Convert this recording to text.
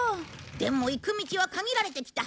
でも行く道は限られてきた。